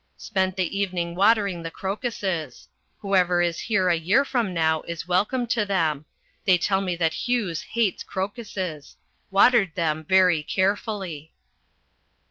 Spent the evening watering the crocuses. Whoever is here a year from now is welcome to them. They tell me that Hughes hates crocuses. Watered them very carefully.